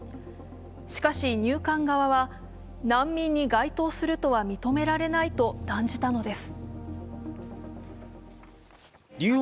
しかし入管側は難民に該当するとは認められないと断じたのです。